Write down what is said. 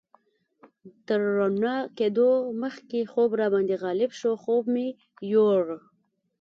تر رڼا کېدو مخکې خوب راباندې غالب شو، خوب مې یوړ.